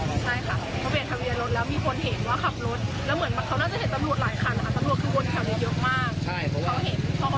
อาทับบรวคคือบนแข่วใหญ่เยอะมาก